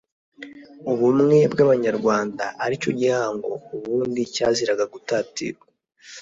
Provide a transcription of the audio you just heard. Ubumwe bw Abanyarwanda ari cyo gihango ubundi cyaziraga gutatirwa